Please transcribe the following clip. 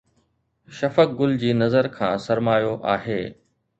شفق گل جي نظر کان سرمايو آهي